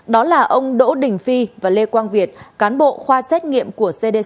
đó là ông đỗ đình phi và lê quang việt cán bộ khoa xét nghiệm của cdc